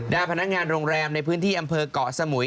พนักงานโรงแรมในพื้นที่อำเภอกเกาะสมุย